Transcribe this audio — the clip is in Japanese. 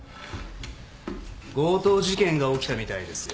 強盗事件が起きたみたいですよ。